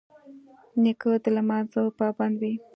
نیکه د لمانځه پابند وي.